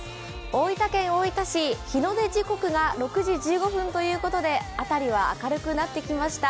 大分県大分市、日の出時刻が６時１５分ということで、辺りは明るくなってきました。